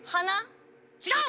ちがう！